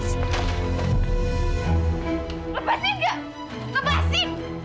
lepasin gak lepasin